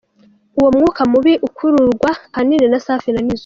Uwo mwuka mubi ukururwa ahanini na Safi na Nizzo.